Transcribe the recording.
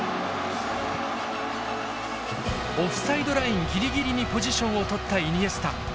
オフサイドラインギリギリにポジションを取ったイニエスタ。